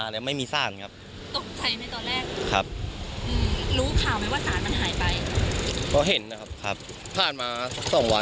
เราไม่รู้จะแก้บ้นตรงไหนแล้วต้องทำยังไง